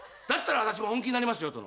だったら私も本気になりますよ。